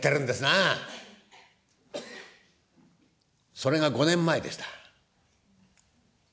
それが５年前でした。